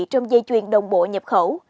trong dây chuyền đồng bộ nhập khẩu